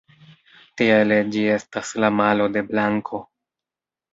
Tiele ĝi estas la malo de blanko.